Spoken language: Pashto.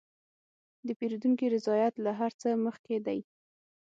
د پیرودونکي رضایت له هر څه مخکې دی.